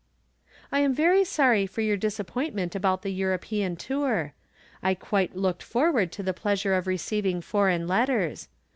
I am very sorry for your disappointment about the European tour. I quite looked forward to the pleasure of receiving foreign letters.